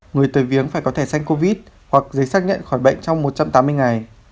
người tới viếng phải có thẻ xanh covid hoặc giấy xác nhận khỏi bệnh trong một trăm tám mươi ngày